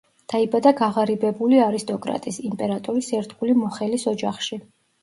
დაიბადა გაღარიბებული არისტოკრატის, იმპერატორის ერთგული მოხელის ოჯახში.